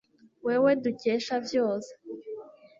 wewe dukesha vyose